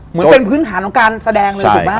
เหมือนเป็นพื้นฐานของการแสดงเลยถูกป่